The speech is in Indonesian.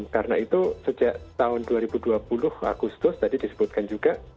karena itu sejak tahun dua ribu dua puluh agustus tadi disebutkan juga